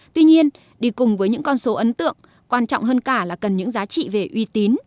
tuy nhiên đi cùng với những con số ấn tượng quan trọng hơn cả là cần những giá trị về uy tín